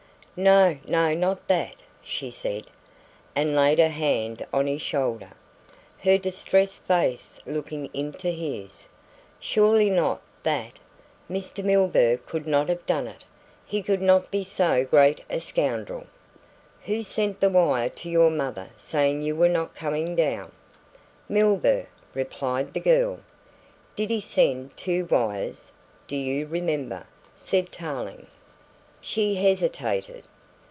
"No, no, not that," she said, and laid her hand on his shoulder, her distressed face looking into his, "surely not that. Mr. Milburgh could not have done it, he could not be so great a scoundrel." "Who sent the wire to your mother saying you were not coming down?" "Milburgh," replied the girl. "Did he send two wires, do you remember?" said Tarling. She hesitated.